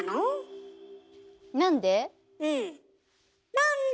なんで？